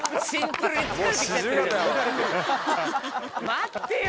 待ってよ！